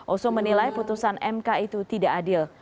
oso menilai putusan mk itu tidak adil